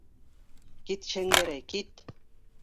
Кит, Шәңгәрәй... кит!..